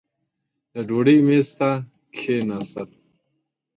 د ډوډۍ مېز ته کښېنستل.